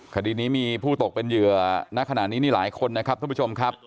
คดีนี้มีผู้ตกเป็นเหยื่อณขณะนี้นี่หลายคนนะครับท่านผู้ชมครับ